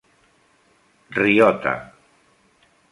Riota